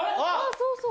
そうそう。